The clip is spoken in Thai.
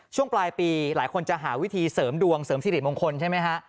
ช่วงปลายปีหลายคนจะหาวิธีเสริมดวงเสริมสิริมงคลใช่ไหมฮะ